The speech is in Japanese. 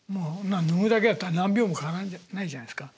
脱ぐだけやったら何秒もかからないじゃないですか。